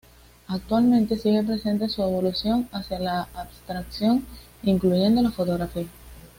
Actualmente, sigue presente su evolución hacia la abstracción incluyendo la fotografía.